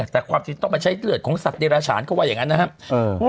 แต่ความจริงต้องไปใช้เลือดของสัตว์เดราชานเขาว่าอย่างนั้นนะครับ